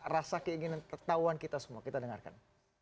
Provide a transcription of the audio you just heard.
rasa keinginan ketahuan kita semua kita dengarkan